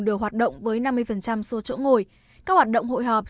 đều hoạt động với năm mươi số chỗ ngồi các hoạt động hội họp